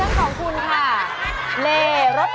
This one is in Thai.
ราคาต้องถูกกว่า๒๕บาท